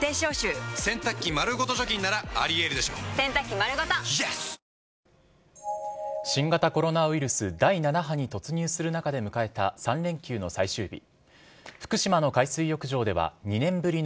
一方、新型コロナウイルス第７波に突入する中で迎えた３連休の最終日。